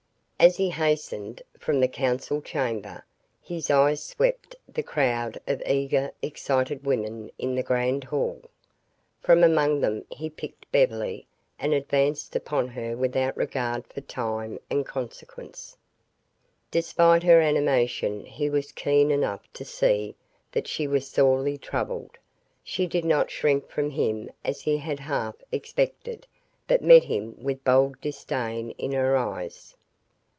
As he hastened from the council chamber, his eyes swept the crowd of eager, excited women in the grand hall. From among them he picked Beverly and advanced upon her without regard for time and consequence. Despite her animation he was keen enough to see that she was sorely troubled. She did not shrink from him as he had half expected, but met him with bold disdain in her eyes.